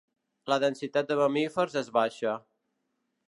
La densitat de mamífers és baixa.